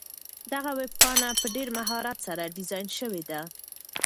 دغه ویبپاڼه په ډېر مهارت سره ډیزاین شوې ده.